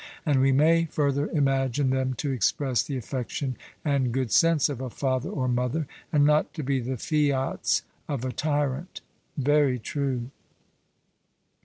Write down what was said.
And we may further imagine them to express the affection and good sense of a father or mother, and not to be the fiats of a tyrant. 'Very true.'